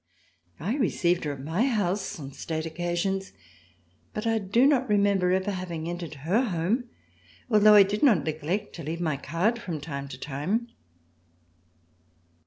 I received her at my house on State occasions, but I do not remember ever having entered her home, although I did not neglect to leave my card from time to time.